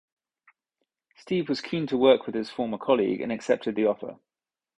Steve was keen to work with his former colleague and accepted the offer.